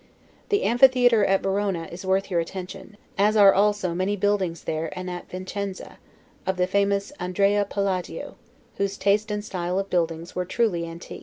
The amphitheatre at Verona is worth your attention; as are also many buildings there and at Vicenza, of the famous Andrea Palladio, whose taste and style of buildings were truly antique.